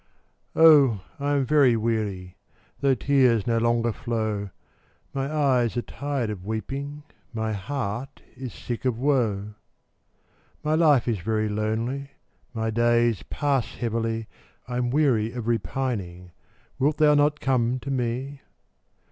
Oh, I am very weary, Though tears no longer flow; My eyes are tired of weeping, My heart is sick of woe; My life is very lonely My days pass heavily, I'm weary of repining; Wilt thou not come to me?